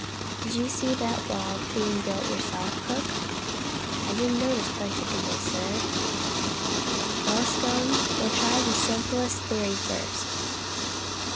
"Did you see that wall being built yourself, Cook?" "I didn't notice particularly, sir." "Well, Stone, we'll try the simplest theory first.